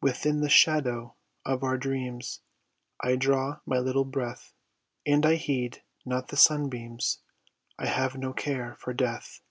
Within the shadow of our dreams I draw my little breath And I heed not the sunbeams, I have no care for death.